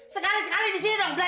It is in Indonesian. sekali sekali di sini dong